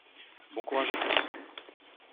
Bon courage à tous.